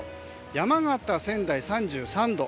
山形、仙台は３３度。